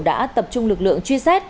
đã tập trung lực lượng truy xét